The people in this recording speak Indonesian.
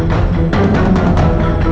berarti mayat tasha